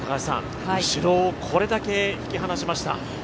後ろをこれだけ、引き離しました。